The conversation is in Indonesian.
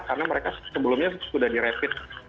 karena mereka sebelumnya sudah di rapid